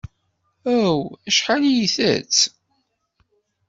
Aw! Acḥal ay ittett!